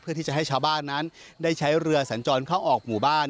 เพื่อที่จะให้ชาวบ้านนั้นได้ใช้เรือสัญจรเข้าออกหมู่บ้าน